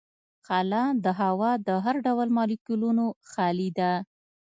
خلا د هوا له هر ډول مالیکولونو خالي ده.